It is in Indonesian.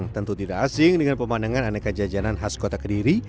tentu tidak asing dengan pemandangan aneka jajanan khas kota kediri